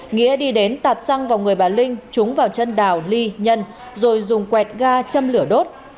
nghĩa đi đến tạt xăng vào người bà linh trúng vào chân đào ly nhân rồi dùng quẹt ga châm lửa đốt